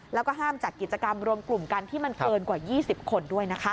แล้วก็ห้ามจัดกิจกรรมรวมกลุ่มกันที่มันเกินกว่า๒๐คนด้วยนะคะ